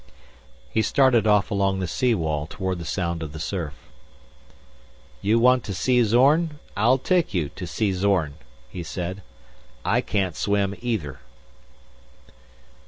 He started off along the sea wall toward the sound of the surf. "You want to see Zorn, I'll take you to see Zorn," he said. "I can't swim either."